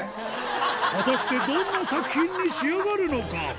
果たしてどんな作品に仕上がるのか？